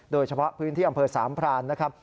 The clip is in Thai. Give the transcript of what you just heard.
โดยเฉพาะพื้นที่อำเภอสามพรานนะครับ